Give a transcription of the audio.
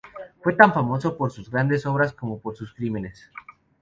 Fue tan famoso por sus grandes obras como por sus crímenes.